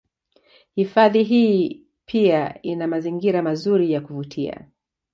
Hifadhi hii pia ina mazingira mazuri ya kuvutia